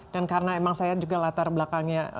dan karena emang saya latar belakangnya